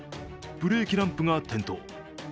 ブレーキランプが点灯。